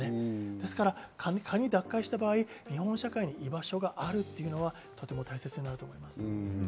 ですから仮に脱会した場合日本社会に居場所があるっていうのはとても大切になると思います。